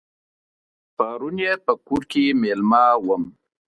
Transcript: پرون یې په کور کې مېلمه وم.